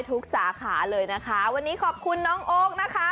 สาขาเลยนะคะวันนี้ขอบคุณน้องโอ๊คนะคะ